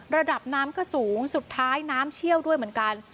ระดับน้ำก็สูงสุดท้ายน้ำเชี่ยวด้วยเหมือนกัน